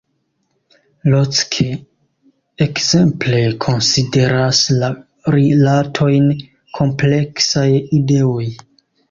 Locke, ekzemple, konsideras la rilatojn “kompleksaj ideoj”.